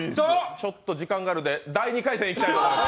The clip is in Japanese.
時間があるので、第２回戦いきたいと思います。